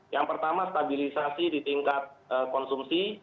yang pertama stabilisasi di tingkat konsumsi